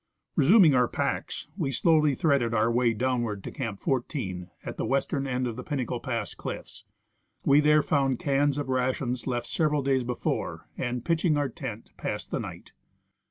Resuming our packs, we slowly threaded our way downward to Camp 14, at the western end of the Pinnacle pass cliffs. We there found cans of rations left several days before and, pitching our tent, passed the night.